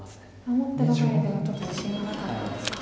守ってばかりではちょっと自信がなかったんですか。